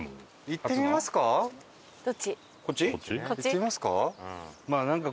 行ってみますか？